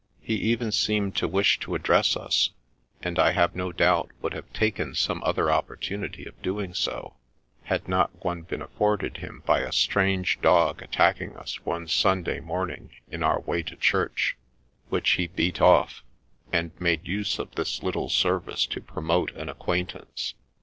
He even seemed to wish to address us, and I have no doubt would have taken some other opportunity of doing so, had not one been afforded him by a strange dog attacking us one Sunday morning in our way to church, which he beat off, and made use of this little service to promote an acquaintance.